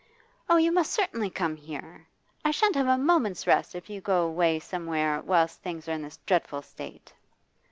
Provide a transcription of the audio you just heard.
Oh, you must certainly come here. I shan't have a moment's' rest if you go away somewhere whilst things are in this dreadful state.